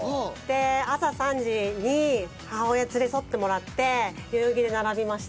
朝３時に母親に連れ添ってもらって代々木で並びました。